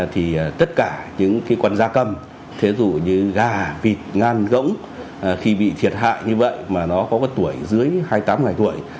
thì tất cả những cái quần gia cầm thế dù như gà vịt ngan gỗng khi bị thiệt hại như vậy mà nó có tuổi dưới hai mươi tám ngày tuổi